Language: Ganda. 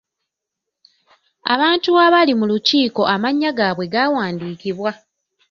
Abantu abaali mu lukiiko amannya g'abwe gawandiikibwa.